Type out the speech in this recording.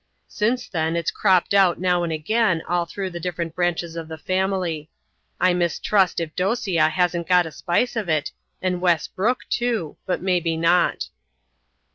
Since then it's cropped out now and again all through the different branches of the family. I mistrust if Dosia hasn't got a spice of it, and Wes Brooke too, but mebbe not."